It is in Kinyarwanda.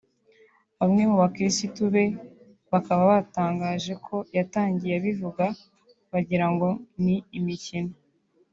Bamwe mu bakirisitu be bakaba batangaje ko yatangiye abivuga bagirango ni imikino